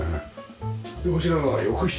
でこちらが浴室。